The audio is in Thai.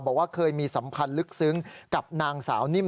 บอกว่าเคยมีสัมพันธ์ลึกซึ้งกับนางสาวนิ่ม